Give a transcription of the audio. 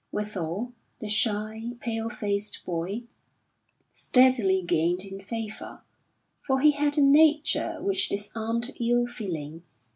Withal, the shy, pale faced boy steadily gained in favour, for he had a nature which disarmed ill feeling.